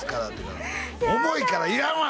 「重いからいらんわ！」